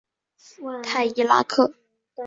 泰伊拉克。